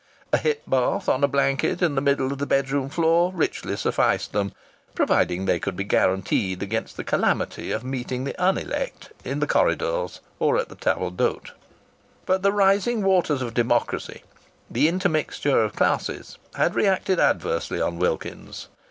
A hip bath on a blanket in the middle of the bedroom floor richly sufficed them, provided they could be guaranteed against the calamity of meeting the unelect in the corridors or at table d'hôte. But the rising waters of democracy the intermixture of classes had reacted adversely on Wilkins's.